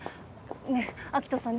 ねえ明人さん